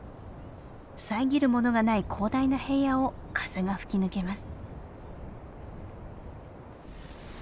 遮るものがない広大な平野を風が吹き抜けます。